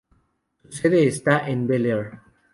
Su sede está en Bel Air.